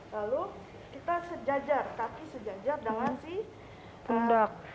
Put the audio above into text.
lalu kita sejajar kaki sejajar dengan si anak